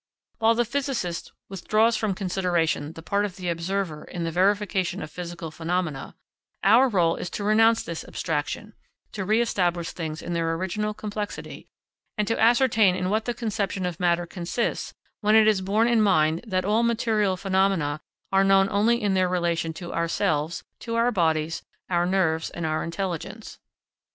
While the physicist withdraws from consideration the part of the observer in the verification of physical phenomena, our rôle is to renounce this abstraction, to re establish things in their original complexity, and to ascertain in what the conception of matter consists when it is borne in mind that all material phenomena are known only in their relation to ourselves, to our bodies, our nerves, and our intelligence.